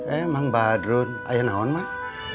emang mbah hadrud ayah nahan mah